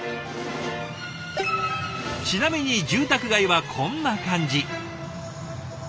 ちなみに住宅街はこんな感じ。